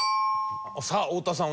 さあ太田さん